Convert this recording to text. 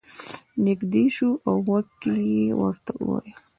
نږدې شو او غوږ کې یې ورته وویل.